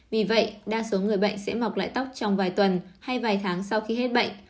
vì vậy đa số người bệnh sẽ mọc lại tóc trong vài tuần hay vài tháng sau khi hết bệnh